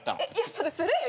それずるいよ。